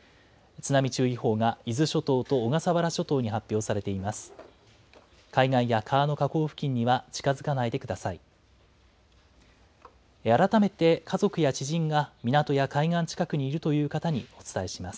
津波注意報が伊豆諸島と小笠原諸島に発表されています。